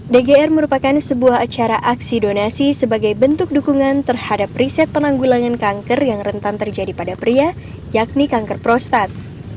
dgr merupakan sebuah acara aksi donasi sebagai bentuk dukungan terhadap riset penanggulangan kanker yang rentan terjadi pada pria yakni kanker prostat